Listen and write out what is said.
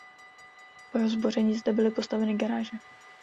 Po jeho zboření zde byly postaveny garáže.